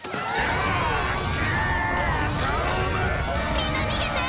みんな逃げて！